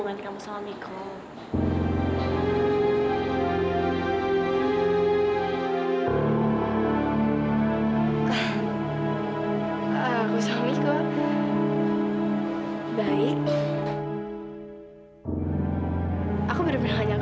kalau tau lagi dibuang